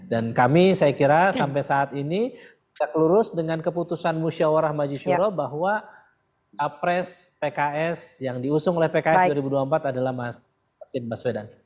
dan kami saya kira sampai saat ini kita kelurus dengan keputusan musyawarah majiswara bahwa capres pks yang diusung oleh pks dua ribu dua puluh empat adalah mas imin baswedan